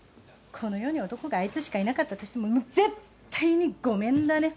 この世に男があいつしかいなかったとしても絶対にごめんだね。